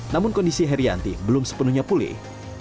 namun kondisi herianti belum sepenuhnya pulih